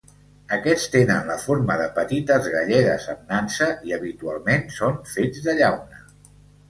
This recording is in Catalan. Aquests tenen la forma de petites galledes amb nansa i habitualment són fets de llauna.